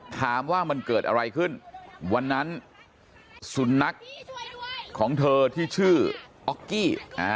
ถามว่ามันเกิดอะไรขึ้นวันนั้นสุนัขของเธอที่ชื่อออกกี้